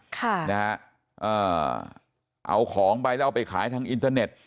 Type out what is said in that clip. ค่ะนะฮะอ่าเอาของไปแล้วเอาไปขายทางอินเทอร์เน็ต